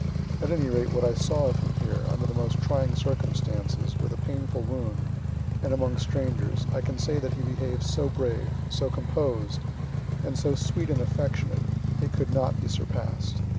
At any rate what I saw of him here, under the most trying circumstances, with a painful wound, and among strangers, I can say that he behaved so brave, so composed, and so sweet and affectionate, it could not be surpass'd.